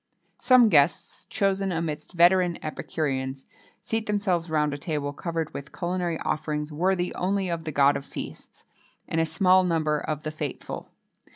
Some guests, chosen amidst veteran epicureans, seat themselves round a table covered with culinary offerings worthy only of the God of Feasts, and a small number of the faithful.